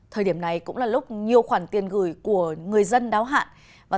thời điểm này cũng là lúc nhiều khoản tiền gửi của người dân đáo hạn